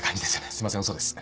すいません嘘です。